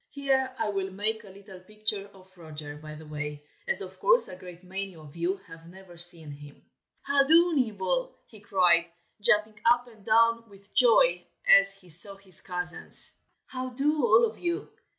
Here I will make a little picture of Roger, by the way, as of course a great many of you have never seen him. "How do, Nibble?" he cried, jumping up and down with joy as he saw his cousins. "How do, all of you!